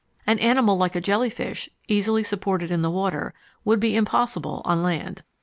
An animal like a jellyfish, easily supported in the water, would be impossible on land.